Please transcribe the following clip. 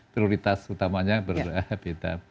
prioritas utamanya berbeda